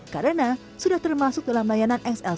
karena sudah termasuk dalam layanan xl satu